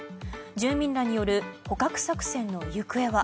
住民らによる捕獲作戦の行方は。